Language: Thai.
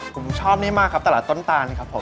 ผมชอบนี่มากครับตลาดต้นตานครับผม